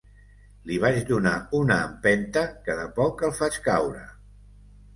Li vaig donar una empenta, que de poc el faig caure!